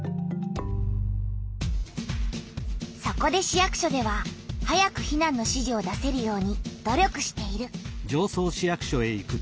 そこで市役所では早く避難の指示を出せるように努力している。